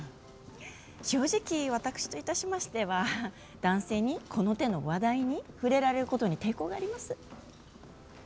正直私といたしましては男性に、この手の話題に触れられることに抵抗があります。